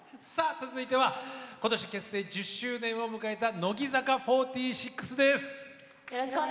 続いては今年結成１０周年を迎えた乃木坂４６です。